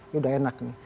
itu udah enak nih